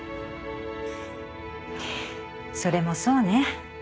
それもそうね。